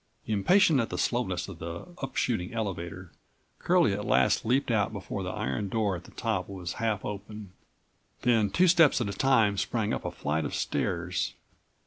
Impatient at the slowness of the up shooting elevator, Curlie at last leaped out before the iron door at the top was half open, then two24 steps at a time sprang up a flight of stairs.